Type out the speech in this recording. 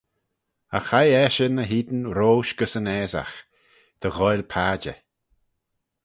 Agh hie eshyn eh-hene roish gys yn aasagh, dy ghoaill padjer.